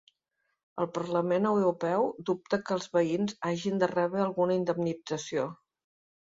El Parlament Europeu dubta que els veïns hagin de rebre alguna indemnització